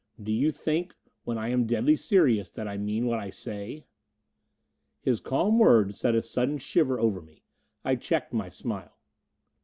Do you think, when I am deadly serious, that I mean what I say?" His calm words set a sudden shiver over me. I checked my smile.